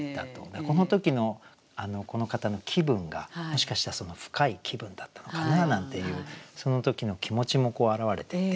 この時のこの方の気分がもしかしたら深い気分だったのかな？なんていうその時の気持ちも表れていて。